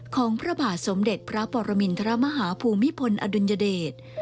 ของพระบาทสมเด็จพระปรมินทรมาฮาภูมิพลอดุลยเดช